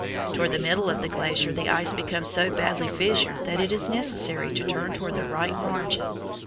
Toward the middle of the glacier the ice becomes so badly fissured that it is necessary to turn toward the right margin.